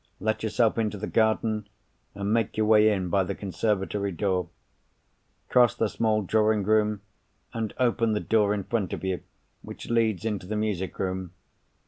Let yourself into the garden, and make your way in by the conservatory door. Cross the small drawing room, and open the door in front of you which leads into the music room.